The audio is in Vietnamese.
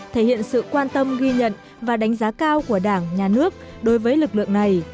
thể hiện sự quan tâm ghi nhận và đánh giá cao của đảng nhà nước đối với lực lượng này